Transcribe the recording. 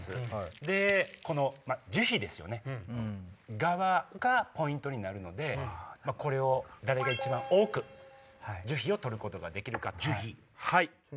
でこの樹皮ですよね側がポイントになるのでこれを誰が一番多く樹皮を取ることができるか。